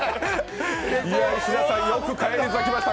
石田さん、見事返り咲きました。